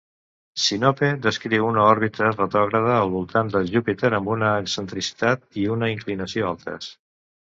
Sinope descriu una òrbita retrògrada al voltant de Júpiter amb una excentricitat i una inclinació altes.